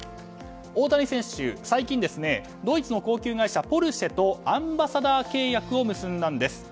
大谷選手は最近ドイツの高級外車ポルシェとアンバサダー契約を結んだんです。